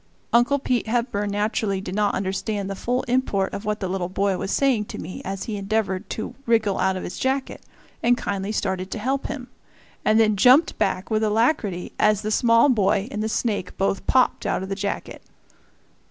Uncle Pete Hepburn naturally did not understand the full import of what the little boy was saying to me as he endeavored to wriggle out of his jacket, and kindly started to help him and then jumped back with alacrity as the small boy and the snake both popped out of the jacket.